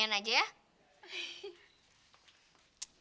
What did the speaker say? kayaknya baru abis pesta nih